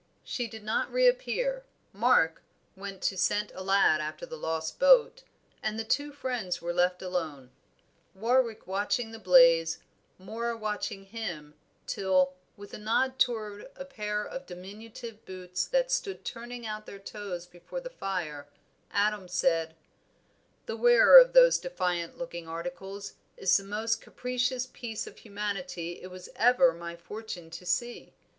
She did not reappear, Mark went to send a lad after the lost boat, and the two friends were left alone; Warwick watching the blaze, Moor watching him, till, with a nod toward a pair of diminutive boots that stood turning out their toes before the fire, Adam said "The wearer of those defiant looking articles is the most capricious piece of humanity it was ever my fortune to see.